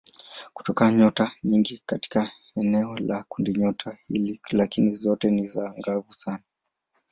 Kuna nyota nyingi katika eneo la kundinyota hili lakini zote si angavu sana.